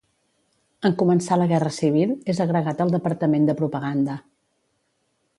En començar la Guerra Civil, és agregat al departament de propaganda.